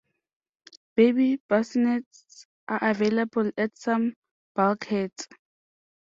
Baby bassinets are available at some bulkheads.